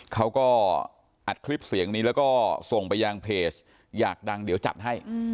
เขาก็อัดคลิปเสียงนี้แล้วก็ส่งไปยังเพจอยากดังเดี๋ยวจัดให้